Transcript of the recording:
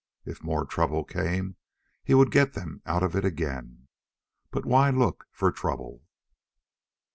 If more trouble came, he would get them out of it again. But why look for trouble?